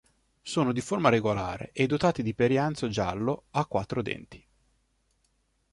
Sono di forma regolare e dotati di perianzio giallo a quattro denti.